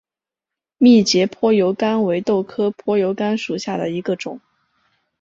密节坡油甘为豆科坡油甘属下的一个种。